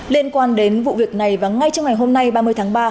liên quan đến vụ việc này và ngay trong ngày hôm nay ba mươi tháng ba